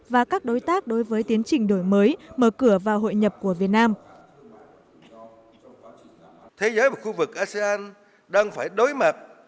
và các đối tác đối với tiến trình đổi mới mở cửa và hội nhập của việt nam